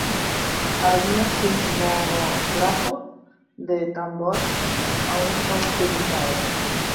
Algunos sismógrafos de tambor aún son utilizados.